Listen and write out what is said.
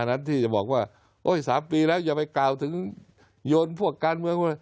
นั้นที่จะบอกว่าโอ๊ย๓ปีแล้วอย่าไปกล่าวถึงโยนพวกการเมือง